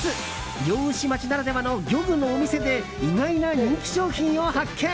漁師町ならではの漁具のお店で意外な人気商品を発見。